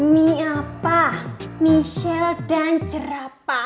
miapa michelle dan cerapa